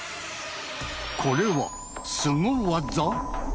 これはスゴ技？